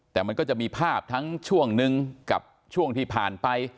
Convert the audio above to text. แต่มันก็จะมีภาพทั้งช่วงนึงกับช่วงที่ผ่านไป